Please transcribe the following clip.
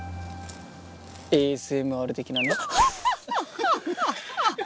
ＡＳＭＲ的なね。